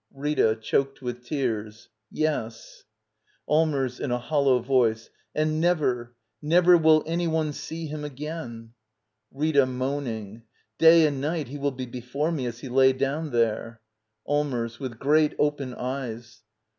Rita. [Choked with tears,] Yes. Allmers. [In a hollow voice.] And never — never will any one see him again ! Rita. [Moaning.] Day and night he will be before me, as he lay down there. Allmers. With great, open eyes.